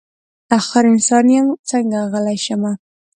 اخر انسان یم څنګه غلی شمه.